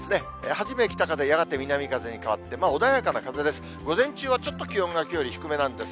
初め北風、やがて南風に変わって、穏やかな風です。